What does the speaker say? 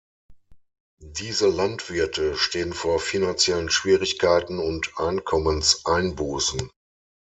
Diese Landwirte stehen vor finanziellen Schwierigkeiten und Einkommenseinbußen.